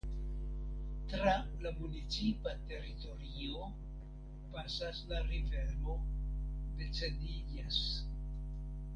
Tra la municipa teritorio pasas la rivero Becedillas.